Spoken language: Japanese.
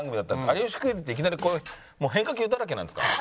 『有吉クイズ』っていきなりこういうもう変化球だらけなんですか？